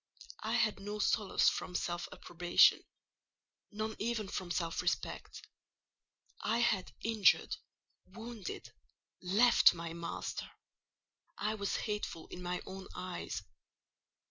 I had no solace from self approbation: none even from self respect. I had injured—wounded—left my master. I was hateful in my own eyes.